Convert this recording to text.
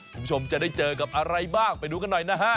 คุณผู้ชมจะได้เจอกับอะไรบ้างไปดูกันหน่อยนะฮะ